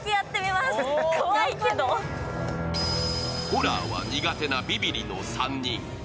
ホラーは苦手なビビりの３人。